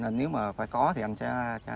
nên nếu mà phải có thì anh sẽ ngân động ra thêm